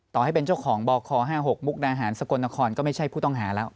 ต่อให้เป็นเจ้าของบค๕๖มุกดาหารสกลนครก็ไม่ใช่ผู้ต้องหาแล้ว